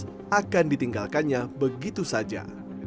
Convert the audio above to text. yang menjadi prioritas akan ditinggalkannya begitu saja